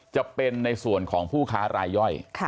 จะเป็นในส่วนของผู้ค้ารายย่อย